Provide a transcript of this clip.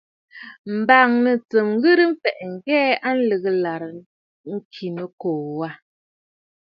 M̀bâŋnə̌ tsɨm ghɨrə mfɛ̀ʼɛ̀ ŋ̀hɛɛ a lɨ̀gə ɨlàrə Ŋgə̀ə̀ Nɨkòò wâ.